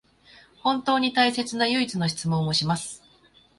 本当に大切な唯一の質問をします